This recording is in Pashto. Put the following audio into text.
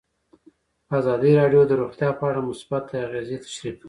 ازادي راډیو د روغتیا په اړه مثبت اغېزې تشریح کړي.